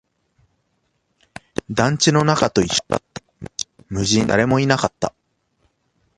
団地の中と一緒だった、無人、誰もいなかった